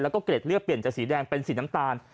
แล้วก็เกร็ดเลือดเปลี่ยนจากสีแดงเป็นสีน้ำตาล